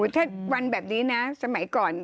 ถ้าวันแบบนี้นะสมัยก่อน